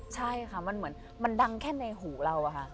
ใช่ค่ะมันดังแค่ในหัวเรา